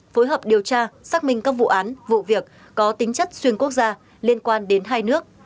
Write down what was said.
phối hợp điều tra xác minh các vụ án vụ việc có tính chất xuyên quốc gia liên quan đến hai nước